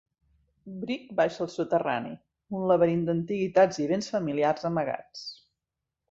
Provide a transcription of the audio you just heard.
Brick baixa al soterrani, un laberint d'antiguitats i bens familiars amagats.